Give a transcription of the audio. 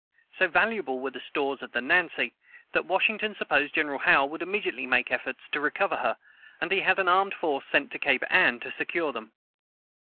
So valuable were the stores of the Nancy, that Washington supposed General Howe would immediately make efforts to recover her, and he had an armed force sent to Cape Anne to secure them.